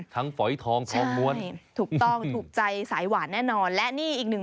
ทั้งฝอยทองทองมวลถูกต้องถูกใจสายหวานแน่นอน